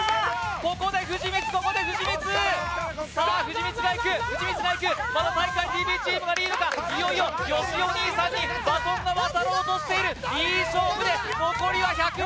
ここで藤光ここで藤光さあ藤光がいく藤光がいくまだ体育会ＴＶチームがリードかいよいよよしお兄さんにバトンが渡ろうとしているいい勝負で残りは１００ｍ